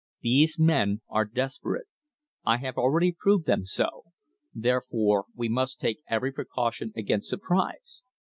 These men are desperate. I have already proved them so. Therefore we must take every precaution against surprise."